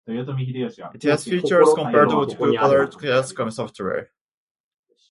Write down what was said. It has features comparable to popular commercial chess software.